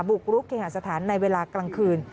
บุกรุกเคหาสถานในเวลากลางคืน